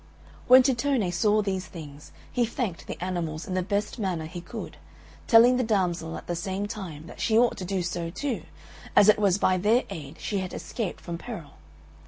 When Tittone saw these things, he thanked the animals in the best manner he could, telling the damsel at the same time that she ought to do so too, as it was by their aid she had escaped from peril.